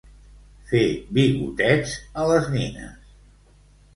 Fer bigotets a les nines.